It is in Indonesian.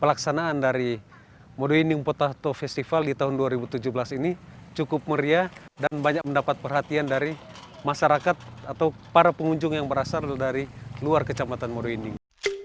pelaksanaan dari modo inding potasto festival di tahun dua ribu tujuh belas ini cukup meriah dan banyak mendapat perhatian dari masyarakat atau para pengunjung yang berasal dari luar kecamatan modo inding